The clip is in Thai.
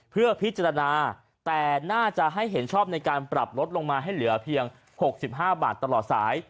เพื่อพิจารณาแต่น่าจะให้เห็นชอบในการปรับลดลงมาให้เหลือเพียง๖๕บาทตลอดสาย